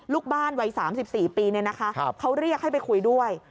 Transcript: ลูกบ้านวัย๓๔ปีเขาเรียกให้ไปคุยด้วย